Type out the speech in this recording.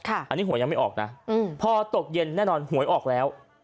อันนี้หวยยังไม่ออกนะพอตกเย็นแน่นอนหวยออกแล้ว